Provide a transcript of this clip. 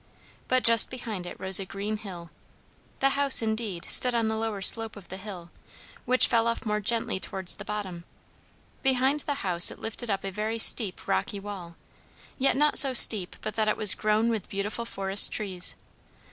But just behind it rose a green hill; the house, indeed, stood on the lower slope of the hill, which fell off more gently towards the bottom; behind the house it lifted up a very steep, rocky wall, yet not so steep but that it was grown with beautiful forest trees.